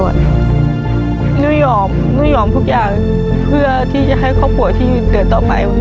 หนูยอมหนูยอมทุกอย่างเพื่อที่จะให้ครอบครัวที่เดินต่อไป